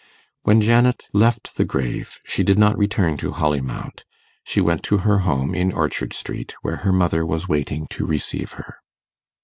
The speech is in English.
When Janet left the grave, she did not return to Holly Mount; she went to her home in Orchard Street, where her mother was waiting to receive her.